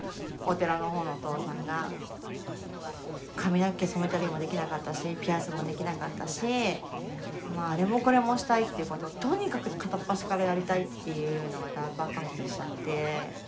髪の毛染めたりもできなかったしピアスもできなかったしあれもこれもしたいっていうこととにかく片っ端からやりたいっていうのが大爆発しちゃって。